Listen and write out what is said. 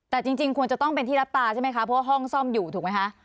แต่จริงควรจะต้องเป็นที่รับตาใช่ไหมคะเพราะว่าห้องซ่อมอยู่ถูกไหมคะ